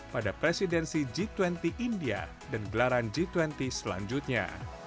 pada presidensi g dua puluh india dan gelaran g dua puluh selanjutnya